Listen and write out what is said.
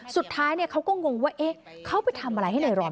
สุดท้ายเขาก็งงว่าเขาไปทำอะไรให้นายรอน